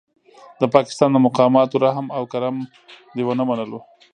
د پاکستان د مقاماتو رحم او کرم دې ونه منلو.